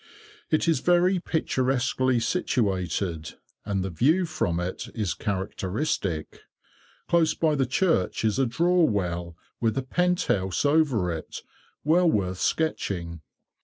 It is very picturesquely situated, and the view from it is characteristic. Close by the church is a draw well, with a pent house over it, well worth sketching.